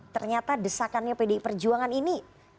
ternyata desakannya pdi perjuangan ini